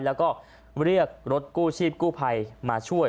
แล้วก็เรียกรถกู้ชีพกู้ภัยมาช่วย